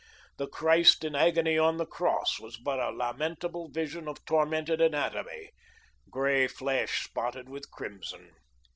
The Christ in agony on the Cross was but a lamentable vision of tormented anatomy, grey flesh, spotted with crimson.